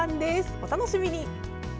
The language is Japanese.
お楽しみに。